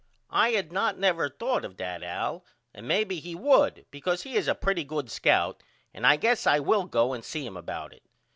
I had not never thought of that Al and maybe he would because he is a pretty good scout and I guess I will go and see him about it.